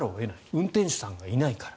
運転手さんがいないから。